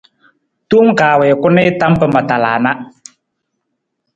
Tong kaa wii ku nii tam pa ma tala na.